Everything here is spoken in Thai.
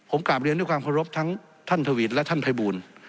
ผมกล่าบเรียนด้วยความพบรพทั้งท่านสวทวิทย์และท่านภัยบูล